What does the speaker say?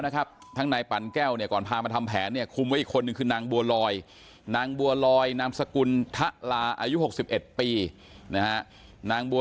คุณกิศิษฎก็ไปตามทำข่าวคุณกุณกฤทธิสัจก็ไปตามทำข่าว